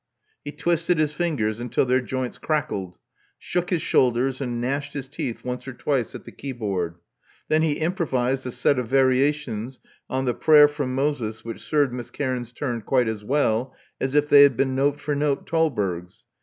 He twisted his fingers until their joints crackled; shook his shoulders; and gnashed his teeth once or twice at the keyboard. Then he improvised a set of variations on the prayer from Moses" which served Miss Cairns's turn quite as well as if they had been note for note Thalberg's.